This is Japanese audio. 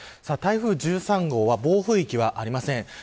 台風１３号は暴風域はありません。